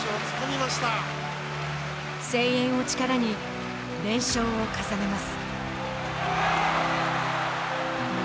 声援を力に連勝を重ねます。